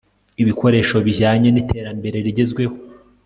ibikoresho bijyanye n'iterambere rigezweho